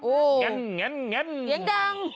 โอ้โฮเห็นเห็นดัง